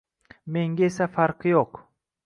Menga esa farqi yo`q